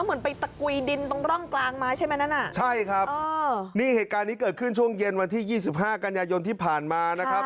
เหมือนไปตะกุยดินตรงร่องกลางมาใช่ไหมนั่นอ่ะใช่ครับนี่เหตุการณ์นี้เกิดขึ้นช่วงเย็นวันที่๒๕กันยายนที่ผ่านมานะครับ